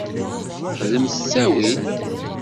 Xdem s ttawil.